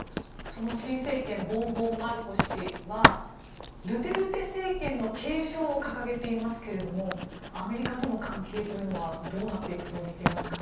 その新政権ボンボン・マルコス氏はドゥテルテ政権の継承を掲げていますけれどアメリカとの関係というのはどうなっていくと見ていますか。